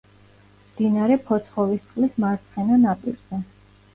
მდინარე ფოცხოვისწყლის მარცხენა ნაპირზე.